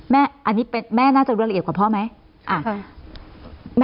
แม่น่าจะดูรายละเอียดกว่าพ่อไหม